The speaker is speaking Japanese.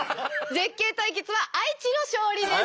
絶景対決は愛知の勝利です！